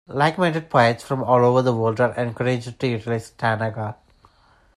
Like-minded poets from all over the world are encouraged to utilize the Tanaga.